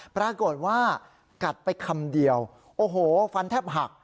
ปรากฏว่ากัดไปคำเดียวโอ้โหฟันแทบหัก